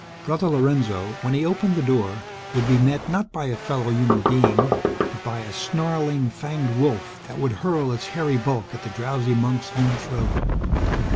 Brother Lorenzo, when he opened the door, would be met not by a fellow human being, but by a snarling fanged wolf that would hurl its hairy bulk at the drowsy monk's own throat.